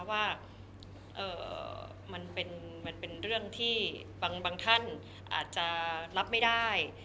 ว่ามันเป็นเรื่องที่บางท่านอาจจะรับไม่ได้